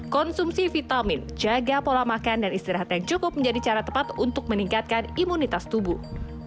konsumsi vitamin jaga pola makan dan istirahat yang cukup menjadi cara tepat untuk meningkatkan imunitas tubuh